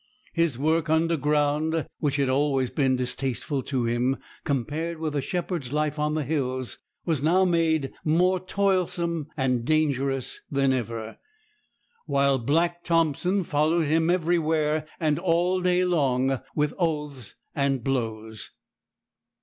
His work underground, which had always been distasteful to him compared with a shepherd's life on the hills, was now made more toilsome and dangerous than ever, while Black Thompson followed him everywhere and all day long with oaths and blows.